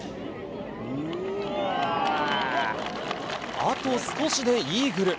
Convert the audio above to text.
あと少しでイーグル。